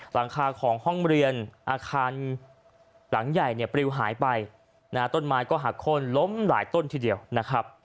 หลังคาของห้องเรียนอาคารหลังใหญ่เนี่ยปริวหายไปนะฮะต้นไม้ก็หักโค้นล้มหลายต้นทีเดียวนะครับ